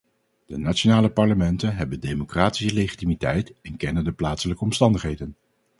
De nationale parlementen hebben democratische legitimiteit en kennen de plaatselijke omstandigheden.